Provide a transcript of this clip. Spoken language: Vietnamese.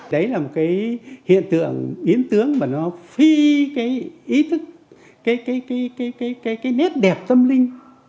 đấy là một hiện tượng yến tướng mà nó phi cái ý thức cái nét đẹp tâm linh